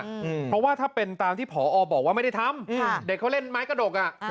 เพราะว่าถ้าเป็นตามที่ผอบอกว่าไม่ได้ทำเด็กเขาเล่นไม้กระดกอ่ะ